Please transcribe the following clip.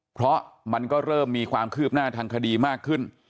เพราะมันก็เริ่มมีความคืบหน้าทางคดีมากขึ้น